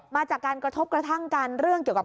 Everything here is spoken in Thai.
มาจากการกระทบกระทั่งกันเรื่องเกี่ยวกับ